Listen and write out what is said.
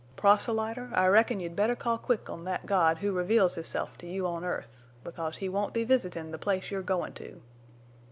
"'Proselyter, I reckon you'd better call quick on thet God who reveals Hisself to you on earth, because He won't be visitin' the place you're goin' to!